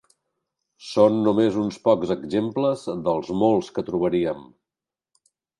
Són només uns pocs exemples dels molts que trobaríem.